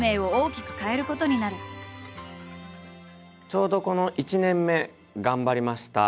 ちょうどこの１年目頑張りました。